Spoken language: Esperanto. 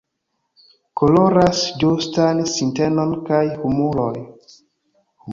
Koloras ĝustan sintenon kaj humoroj.